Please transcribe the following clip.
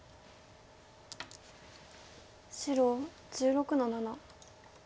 白１６の七。